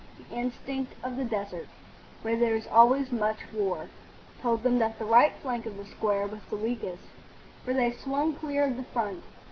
The instinct of the desert, where there is always much war, told them that the right flank of the square was the weakest, for they swung clear of the front.